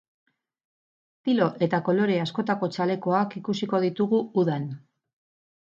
Estilo eta kolore askotako txalekoak ikusiko ditugu udan.